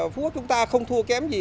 phú quốc chúng ta không thua kém gì